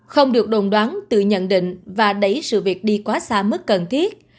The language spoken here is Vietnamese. không được đồn đoán từ nhận định và đẩy sự việc đi quá xa mức cần thiết